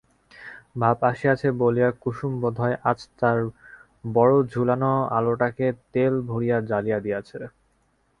বাপ আসিয়াছে বলিয়া কুসুম বোধহয় আজ তার বড় ঝুলানো আলোটাকে তেল ভরিয়া জ্বালিয়া দিয়াছে।